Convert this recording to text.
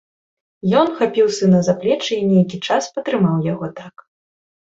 Ён хапіў сына за плечы і нейкі час патрымаў яго так.